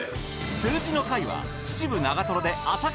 数字の会は秩父長瀞で朝活